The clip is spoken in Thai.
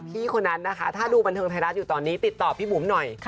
คนนั้นนะคะถ้าดูบันเทิงไทยรัฐอยู่ตอนนี้ติดต่อพี่บุ๋มหน่อย